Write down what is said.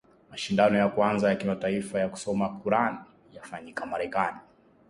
Mashindano ya kwanza ya kimataifa ya kusoma Quran yafanyika Marekani